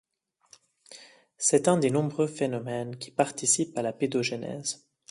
C'est un des nombreux phénomènes qui participent à la pédogenèse.